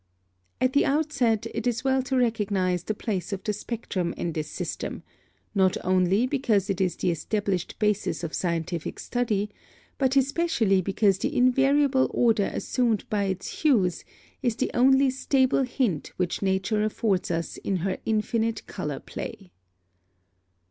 (18) At the outset it is well to recognize the place of the spectrum in this system, not only because it is the established basis of scientific study, but especially because the invariable order assumed by its hues is the only stable hint which Nature affords us in her infinite color play.